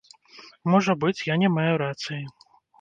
Можа быць, я не маю рацыі.